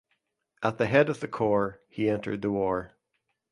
At the head of the corps he entered the war.